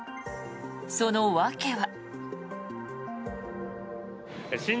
その訳は。